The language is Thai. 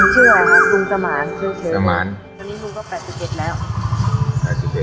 ชื่อเป็นหนึ่งชื่ออะไรคะคุณสมานสมานสมานวันนี้คุณก็